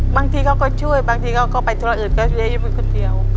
บางทีเขาก็ช่วยบางทีเขาก็ไปธุระอื่นก็เย็บคนเดียว